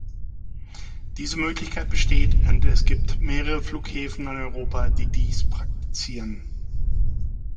Diese Möglichkeit besteht, und es gibt mehrere Flughäfen in Europa, die dies praktizieren.